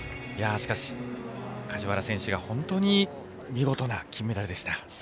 しかし、梶原選手が本当に見事な金メダルでした。